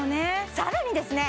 さらにですね